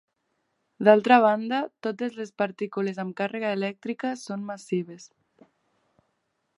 D'altra banda, totes les partícules amb càrrega elèctrica són massives.